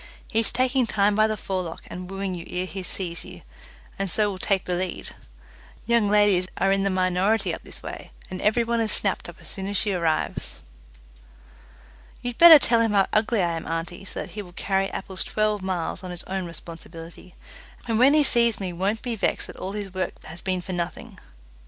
He is taking time by the forelock and wooing you ere he sees you, and so will take the lead. Young ladies are in the minority up this way, and every one is snapped up as soon as she arrives." "You'd better tell him how ugly I am, auntie, so that he will carry apples twelve miles on his own responsibility, and when he sees me won't be vexed that all his work has been for nothing.